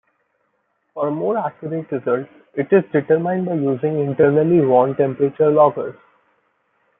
For more accurate results, it is determined by using internally worn temperature loggers.